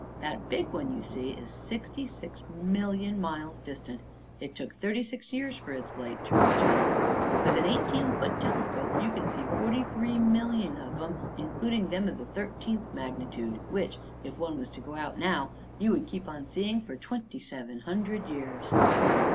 That big one you see is sixty six million miles distant. It took thirty six years for its light to reach us. With an eighteen foot telescope you can see forty three millions of 'em, including them of the thirteenth magnitude, which, if one was to go out now, you would keep on seeing it for twenty seven hundred years."